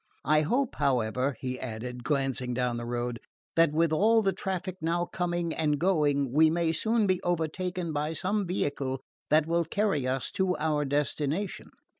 I hope, however," he added, glancing down the road, "that with all the traffic now coming and going we may soon be overtaken by some vehicle that will carry us to our destination."